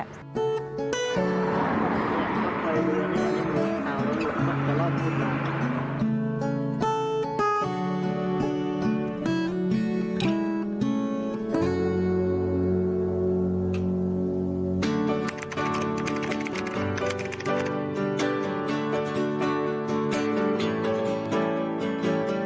โอเค